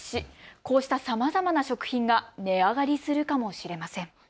こうしたさまざまな食品が値上がりするかもしれません。